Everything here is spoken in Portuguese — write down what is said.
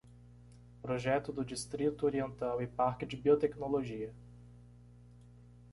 Projeto do Distrito Oriental e Parque de Biotecnologia